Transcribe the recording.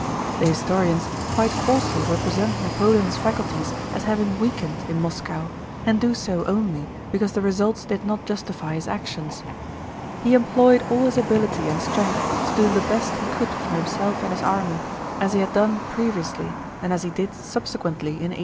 The historians quite falsely represent Napoleon's faculties as having weakened in Moscow, and do so only because the results did not justify his actions. He employed all his ability and strength to do the best he could for himself and his army, as he had done previously and as he did subsequently in 1813.